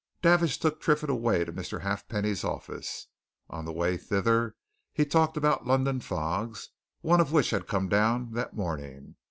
Davidge took Triffitt away to Mr. Halfpenny's office on the way thither he talked about London fogs, one of which had come down that morning.